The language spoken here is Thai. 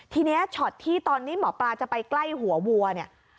ทีนี้ช็อตที่ตอนนี้หมอปลาจะไปใกล้หัววัวเนี่ย